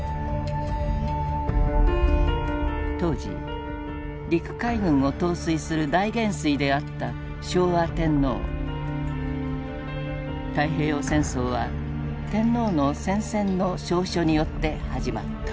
当時陸海軍を統帥する大元帥であった太平洋戦争は天皇の宣戦の詔書によって始まった。